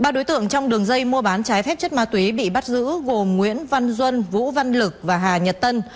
ba đối tượng trong đường dây mua bán trái phép chất ma túy bị bắt giữ gồm nguyễn văn duân vũ văn lực và hà nhật tân